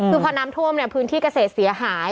คือพอน้ำท่วมพื้นที่เกษตรเสียหาย